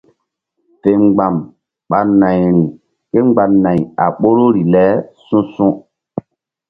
Fe mgba̧m ɓa nayri kémgba nay a ɓoruri le su̧su̧.